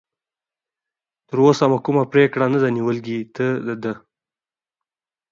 تراوسه مې کوم پرېکړه نه ده نیولې، ته د ده.